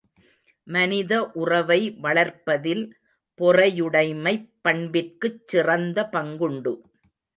மனித உறவை வளர்ப்பதில் பொறையுடைமைப் பண்பிற்குச் சிறந்த பங்குண்டு.